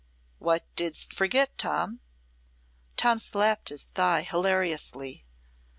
"What didst forget, Tom?" Tom slapt his thigh hilariously.